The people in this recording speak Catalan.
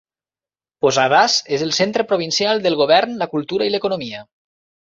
Posadas és el centre provincial del govern, la cultura i l'economia.